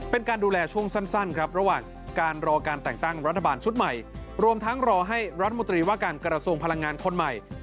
เป็นการดูแลช่วงสั้นครับระหว่างการรอการแต่งตั้งรัฐบาลชุดใหม่รวมทั้งรอให้รัฐมนตรีว่าการกระทรวงพลังงานคนใหม่